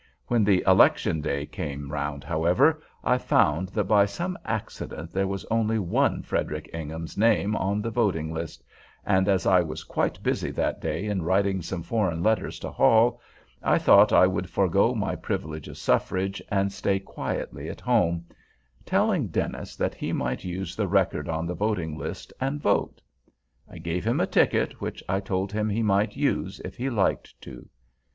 When the election day came round, however, I found that by some accident there was only one Frederic Ingham's name on the voting list; and, as I was quite busy that day in writing some foreign letters to Halle, I thought I would forego my privilege of suffrage, and stay quietly at home, telling Dennis that he might use the record on the voting list and vote. I gave him a ticket, which I told him he might use, if he liked to.